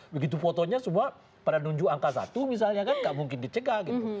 begitu fotonya semua pada nunjuk angka satu misalnya kan nggak mungkin dicegah gitu